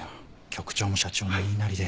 局長も社長の言いなりで。